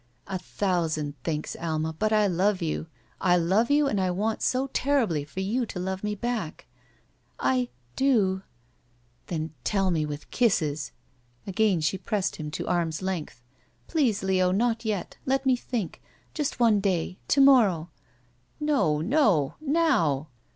*'A thousand thinks, Alma, but I love you. I love you and want so terribly for you to love me back." ••I 4o," "Then tell me with kisses." Again she pressed him to arm's length, ''Please, L«o! Not yet Let me think Just one day* To^morrcw." "No, no!